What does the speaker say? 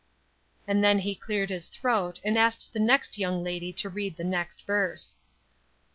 And then he cleared his throat and asked the next young lady to read the next verse.